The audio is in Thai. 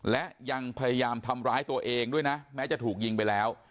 และยังพยายามทำร้ายตัวเองด้วยนะแม้จะถูกยิงไปแล้ว